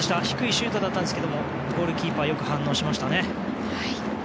低いシュートだったんですけどゴールキーパーよく反応しましたね。